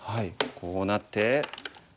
こうなって。